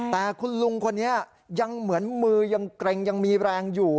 แต่คุณลุงคนนี้ยังเหมือนมือยังเกร็งยังมีแรงอยู่